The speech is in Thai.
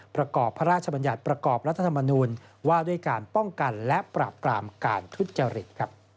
ประกอบพระราชบัญญัติประกอบรัฐธรรมนูญว่าด้วยการป้องกันและปราบกรามการทุจริต